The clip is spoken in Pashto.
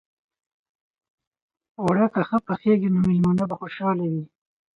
اوړه که ښه پخېږي، نو میلمانه خوشحاله وي